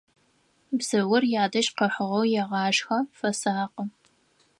Бзыур ядэжь къыхьыгъэу егъашхэ, фэсакъы.